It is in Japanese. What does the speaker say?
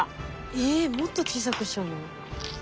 えっもっと小さくしちゃうの？